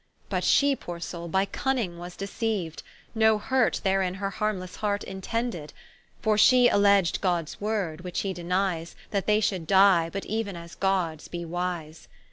But she (poore soule) by cunning was deceau'd, No hurt therein her harmlesse Heart intended: For she alleadg'd Gods word, which he denies That they should die, but euen as Gods, be wise.